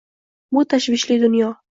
Bu tashvishli dunyo